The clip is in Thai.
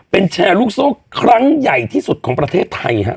เป็นแชร์ลูกโซ่ครั้งใหญ่ที่สุดของประเทศไทยฮะ